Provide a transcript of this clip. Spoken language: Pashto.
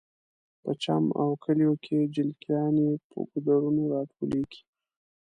په چم او کلیو کې جلکیانې په ګودرونو راټولیږي